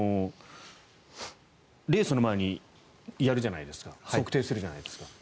レースの前にやるじゃないですか測定するじゃないですか。